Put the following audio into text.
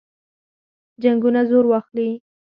جنګونه زور واخلي.